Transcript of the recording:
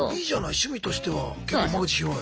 趣味としては結構間口広い。